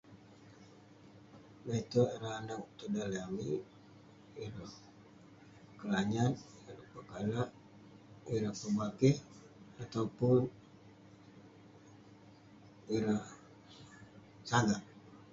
Le'terk ireh anag tong daleh amik, ineh..kelanyat, pekalak, ireh pebakeh.. atau pun..ireh sagak..